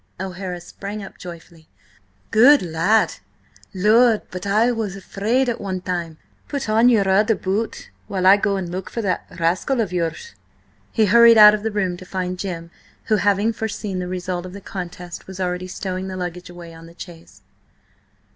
O'Hara sprang up joyfully. "Good lad! Lud! but I was afraid at one time–Put on your other boot while I go and look for that rascal of yours!" He hurried out of the room to find Jim, who, having foreseen the result of the contest, was already stowing the luggage away on the chaise.